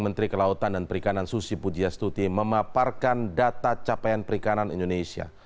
menteri kelautan dan perikanan susi pujiastuti memaparkan data capaian perikanan indonesia